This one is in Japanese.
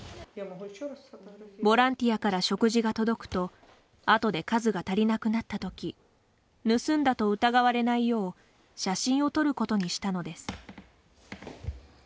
ボランティアから食事が届くと後で数が足りなくなった時盗んだと疑われないよう写真を撮ることにしたのです。